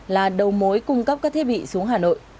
là đầu mối cung cấp các thiết bị xuống hà nội